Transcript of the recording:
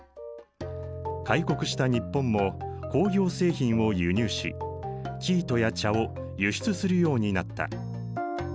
開国した日本も工業製品を輸入し生糸や茶を輸出するようになった。